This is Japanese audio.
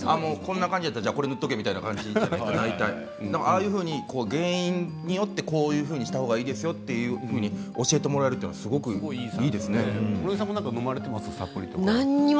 これを塗っておけみたいな感じでああいうふうに原因によってこういうふうにした方ががいいですよと教えてもらえるの室井さんも飲まれていますか。